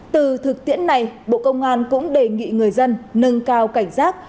từ thực tiễn này bộ công an cũng đề nghị người dân nâng cao cảnh giác